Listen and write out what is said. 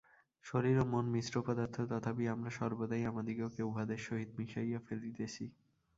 শরীর ও মন মিশ্র পদার্থ, তথাপি আমরা সর্বদাই আমাদিগকে উহাদের সহিত মিশাইয়া ফেলিতেছি।